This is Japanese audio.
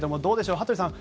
羽鳥さん